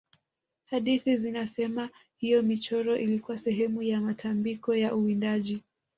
hadithi zinasema hiyo michoro ilikuwa sehemu ya matambiko ya uwindaji